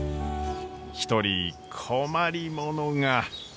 一人困り者が。